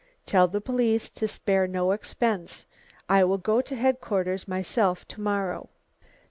Tell the police to spare no expense I will go to headquarters myself to morrow."